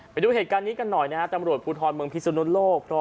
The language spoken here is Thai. ไปดูเหตุการณ์นี้กันหน่อยนะฮะตำรวจภูทรเมืองพิสุนุโลก